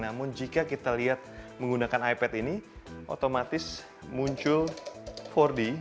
namun jika kita lihat menggunakan ipad ini otomatis muncul empat d